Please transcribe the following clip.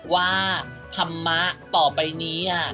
ว่าธรรมะต่อไปนี้